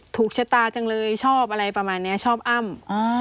ชะตาจังเลยชอบอะไรประมาณนี้ชอบอ้ำ